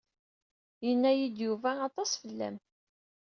Yenna-yi-d Yuba aṭas fell-am.